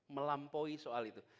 melampaui soal itu